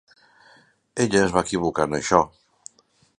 Ella es va equivocar en això.